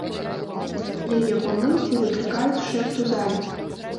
Яе памылкі выклікаюць шэпт у залі.